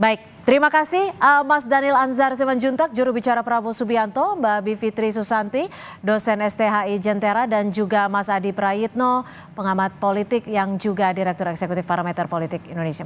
baik terima kasih mas daniel anzar simanjuntak jurubicara prabowo subianto mbak bivitri susanti dosen sthi jentera dan juga mas adi prayitno pengamat politik yang juga direktur eksekutif parameter politik indonesia